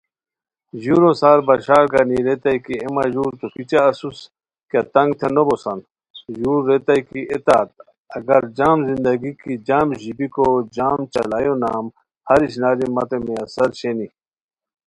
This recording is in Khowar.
ژورو سار بشار گنی ریتائے کی، ایے مہ ژور تو کیچہ اسوس، کیہ تنگ تھے نو بوسان؟ ژور ریتائے کی ایے تت! اگر جم زندگی کی جم ژیبیکو، جام چالایو نام ،ہر اشناری متین میسر شینی